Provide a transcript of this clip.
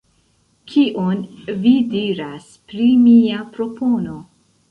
Kion vi diras pri mia propono?